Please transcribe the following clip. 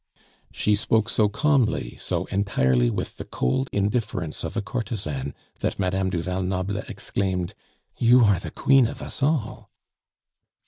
She spoke so calmly, so entirely with the cold indifference of a courtesan, that Madame du Val Noble exclaimed: "You are the Queen of us all!"